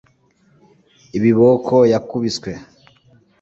Ibiboko wakubiswe